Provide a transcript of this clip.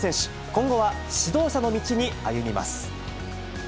今後は指導者の道に歩みます。